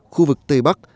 khu vực tây bắc